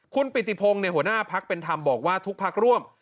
คุณปิติพงศ์หัวหน้าพักเป็นธรรมบอกว่าทุกพักร่วม